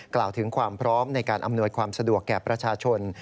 กล่าวถึงความพร้อมในการอำนวยความสะดวกแก่ประชาชน